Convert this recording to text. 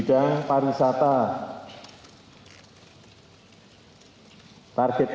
jangan sampai ke daerah asing